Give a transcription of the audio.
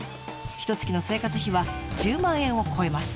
ひとつきの生活費は１０万円を超えます。